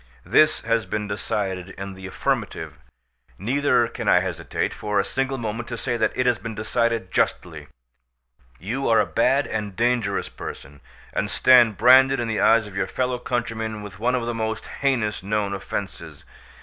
This has been decided in the affirmative, neither can I hesitate for a single moment to say that it has been decided justly. You are a bad and dangerous person, and stand branded in the eyes of your fellow countrymen with one of the most heinous known offences.